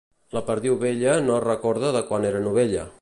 La perdiu vella no es recorda de quan era novella.